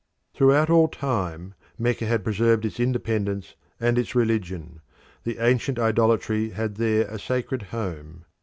Throughout all time Mecca had preserved its independence and its religion; the ancient idolatry had there a sacred home.